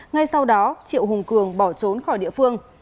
ngay sau đó triệu hùng cường bỏ trốn khỏi địa phương